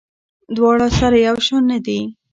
دواړه سره یو شان نه دي.